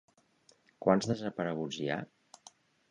Quants desapareguts hi ha?